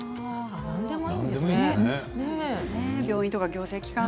何でもいいんですね。